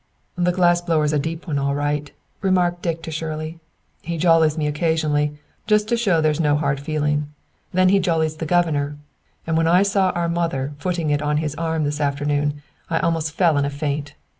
"The glass blower's a deep one, all right," remarked Dick to Shirley. "He jollies me occasionally, just to show there's no hard feeling; then he jollies the governor; and when I saw our mother footing it on his arm this afternoon I almost fell in a faint.